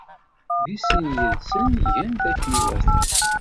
Deg sin yid-sen gan-t akken iwata.